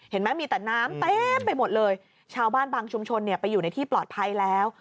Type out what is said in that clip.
เห็นไหมมีแต่น้ำเต็มไปหมดเลยชาวบ้านบางชุมชนเนี่ยไปอยู่ในที่ปลอดภัยแล้ว